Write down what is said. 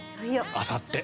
あさって。